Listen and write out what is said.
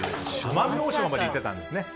奄美大島まで行ってたんですね。